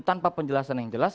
tanpa penjelasan yang jelas